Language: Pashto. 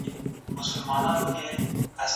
روغ فکر غوسه کموي.